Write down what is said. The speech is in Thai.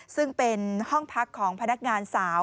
ซึ่งเป็นห้องพักของพนักงานสาว